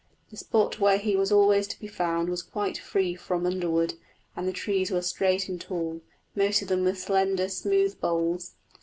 The spot where he was always to be found was quite free from underwood, and the trees were straight and tall, most of them with slender, smooth boles.